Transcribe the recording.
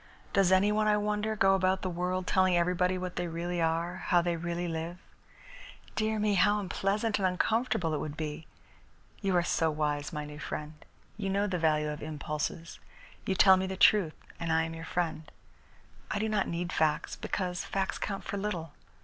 "Does any one, I wonder, go about the world telling everybody what they really are, how they really live? Dear me, how unpleasant and uncomfortable it would be! You are so wise, my new friend. You know the value of impulses. You tell me the truth, and I am your friend. I do not need facts, because facts count for little.